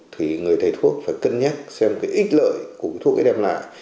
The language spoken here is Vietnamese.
thì người thầy thuốc phải cân nhắc xem cái ít lợi của thuốc ấy đem lại